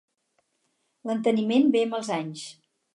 L'enteniment ve amb els anys.